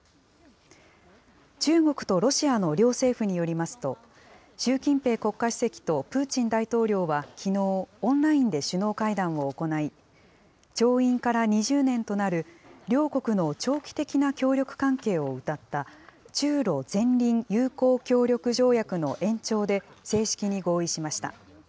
中国とロシアの両政府によりますと、習近平国家主席とプーチン大統領は、きのう、オンラインで首脳会談を行い、調印から２０年となる両国の長期的な協力関係をうたった、中ロ善隣友好協力条約の延長で正式に合意しました。